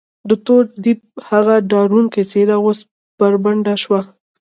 د تور دیب هغه ډارونکې څېره اوس بربنډه شوه.